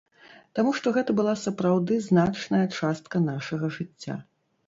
Таму што гэта была сапраўды значная частка нашага жыцця.